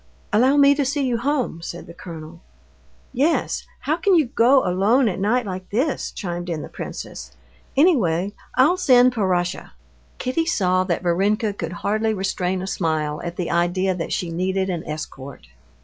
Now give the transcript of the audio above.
"Allow me to see you home," said the colonel. "Yes, how can you go alone at night like this?" chimed in the princess. "Anyway, I'll send Parasha." Kitty saw that Varenka could hardly restrain a smile at the idea that she needed an escort.